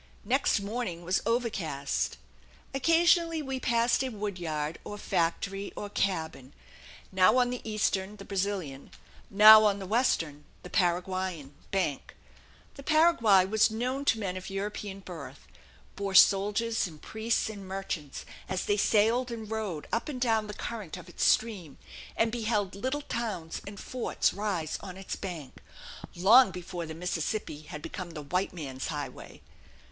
Next morning was overcast. Occasionally we passed a wood yard, or factory, or cabin, now on the eastern, the Brazilian, now on the western, the Paraguayan, bank. The Paraguay was known to men of European birth, bore soldiers and priests and merchants as they sailed and rowed up and down the current of its stream, and beheld little towns and forts rise on its banks, long before the Mississippi had become the white man's highway.